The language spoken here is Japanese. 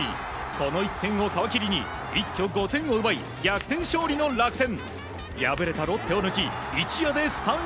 この１点を皮切りに一挙５点を奪い逆転勝利の楽天。